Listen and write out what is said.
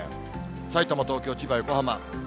さいたま、東京、千葉、横浜。